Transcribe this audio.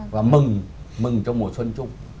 và mừng mừng cho mùa xuân chung